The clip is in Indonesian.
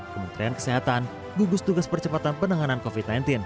kementerian kesehatan gugus tugas percepatan penanganan covid sembilan belas